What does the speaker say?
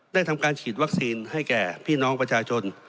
ทำการฉีดวัคซีนให้แก่พี่น้องประชาชน